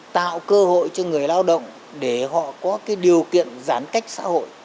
tạo cơ hội cho người lao động để họ có cái điều kiện giãn cách xã hội